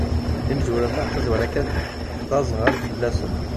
Imezwura-nneɣ, tazwara kan d aẓɣal fell-asen.